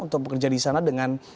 untuk bekerja di sana dengan